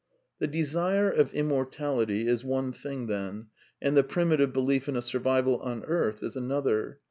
The desire of immortality is one thing, then, and the primitive belief in a survival on earth is another.